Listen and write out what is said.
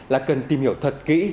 là cần tìm hiểu thật kỹ